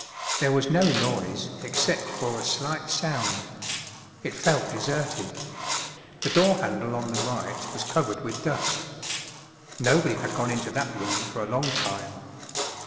There was no noise, except for a slight sound. It felt de¬ serted. The door handle on the right was covered with dust. Nobody had gone into that room for a long time.